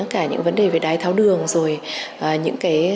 cả những vấn đề về đái tháo đường rồi những cái